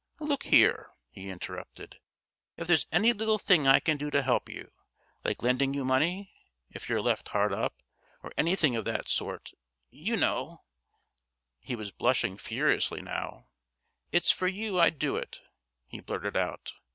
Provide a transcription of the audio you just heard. "Look here," he interrupted, "if there's any little thing I can do to help you, like lending you money if you're left hard up, or anything of that sort, you know" (he was blushing furiously now), "it's for you I'd do it," he blurted out.